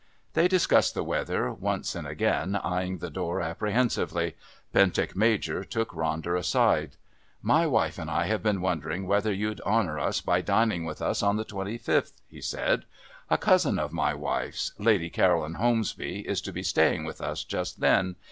They discussed the weather, once and again eyeing the door apprehensively. Bentinck Major took Ronder aside: "My wife and I have been wondering whether you'd honour us by dining with us on the 25th," he said. "A cousin of my wife's, Lady Caroline Holmesby, is to be staying with us just then.